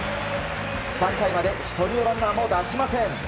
３回まで１人のランナーを出しません。